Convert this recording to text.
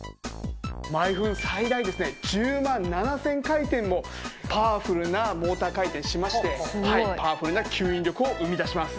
毎分最大ですね１０万７０００回転もパワフルなモーター回転しましてパワフルな吸引力を生み出します。